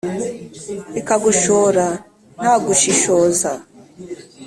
Bikagushora ntagushishoza